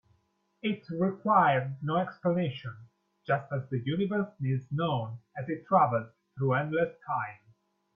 It required no explanation, just as the universe needs none as it travels through endless time.